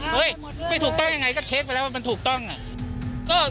เฮ้ยไม่ถูกต้องยังไงก็เช็คไปแล้วว่ามันถูกต้องอ่ะ